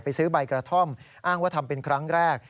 ซื้อใบกระท่อมอ้างว่าทำเป็นครั้งแรก